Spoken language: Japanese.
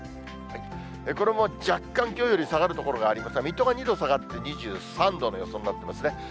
これも若干、きょうより下がる所がありますが、水戸が２度下がって２３度の予想になってますね。